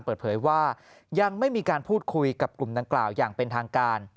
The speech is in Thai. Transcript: เปิดเผยว่ายังไม่มีการพูดคุยกับกลุ่มดังกล่าวอย่างเป็นทางการ